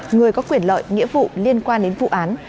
người có quyền lợi nghĩa vụ liên quan đến vụ án